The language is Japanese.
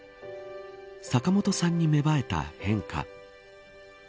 坂本さんに芽生えた変化。